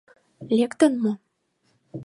— Лектын мо?